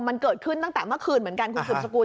มันเกิดขึ้นตั้งแต่เมื่อคืนเหมือนกันคุณสืบสกุล